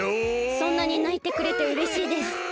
そんなにないてくれてうれしいです。